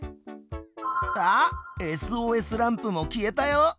あっＳＯＳランプも消えたよ。